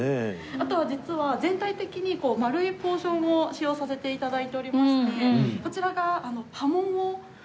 あとは実は全体的に丸いポーションを使用させて頂いておりましてこちらが波紋をイメージするような。